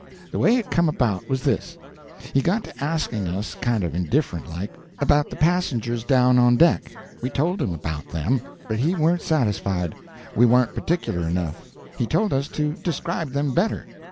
The way it come about was this: He got to asking us, kind of indifferent like, about the passengers down on deck. We told him about them. But he warn't satisfied; we warn't particular enough. He told us to describe them better.